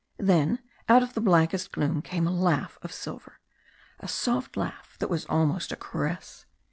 Then out of the blackest gloom came a laugh of silver. A soft laugh that was almost a caress.